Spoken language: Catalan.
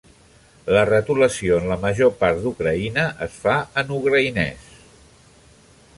La retolació en la major part d’Ucraïna es fa en ucraïnès.